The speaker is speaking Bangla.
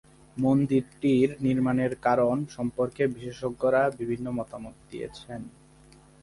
মন্দিরটির নির্মাণের কারণ সম্পর্কে বিশেষজ্ঞরা বিভিন্ন মতামত দিয়েছেন।